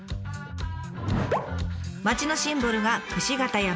町のシンボルが櫛形山。